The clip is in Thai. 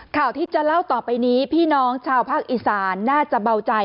ข่าวที่จะเล่าต่อไปนี้พี่น้องชาวภาคอีสานน่าจะเบาใจ